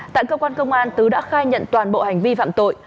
tại cơ quan công an tứ đã khai nhận toàn bộ hành vi phạm tội